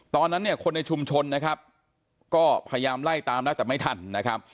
ตอนนั้นเนี่ยคนในชุมชนนะครับก็พยายามไล่ตามแล้วแต่ไม่ทันนะครับ